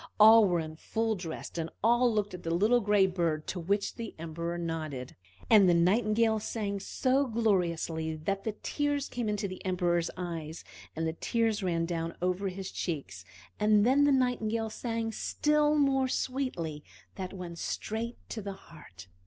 All were in full dress, and all looked at the little gray bird, to which the Emperor nodded. And the Nightingale sang so gloriously that the tears came into the Emperor's eyes, and the tears ran down over his cheeks; and then the Nightingale sang still more sweetly; that went straight to the heart.